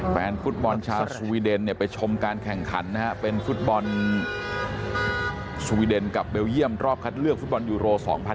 แฟนฟุตบอลชาวสวยเดนไปชมการแข่งขันสวยเดนกับเบลเยี่ยมรอบคัดเลือกฟุตบอลยูโร๒๐๒๔